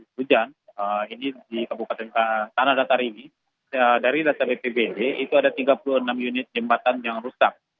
hujan ini di kabupaten tanah datar ini dari data bpbd itu ada tiga puluh enam unit jembatan yang rusak